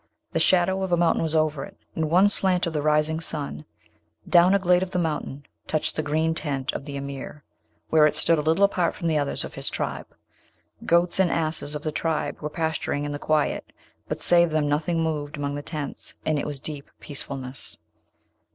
The shadow of a mountain was over it, and one slant of the rising sun, down a glade of the mountain, touched the green tent of the Emir, where it stood a little apart from the others of his tribe. Goats and asses of the tribe were pasturing in the quiet, but save them nothing moved among the tents, and it was deep peacefulness.